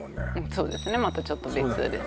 そうですねまたちょっと別ですね